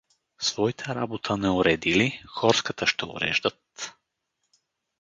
Свойта работа не уредили, хорската ще уреждат!